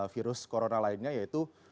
virus corona lainnya yaitu